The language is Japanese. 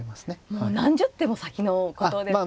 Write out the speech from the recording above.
もう何十手も先のことですね。